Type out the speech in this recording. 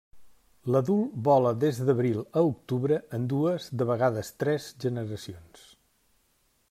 L'adult vola des d'abril a octubre en dues, de vegades tres, generacions.